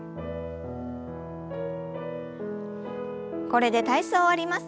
これで体操を終わります。